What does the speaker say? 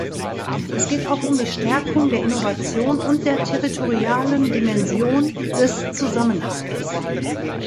Es geht auch um die Stärkung der Innovation und der territorialen Dimension des Zusammenhalts.